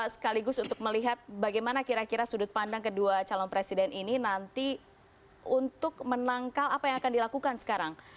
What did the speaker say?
sekaligus untuk melihat bagaimana kira kira sudut pandang kedua calon presiden ini nanti untuk menangkal apa yang akan dilakukan sekarang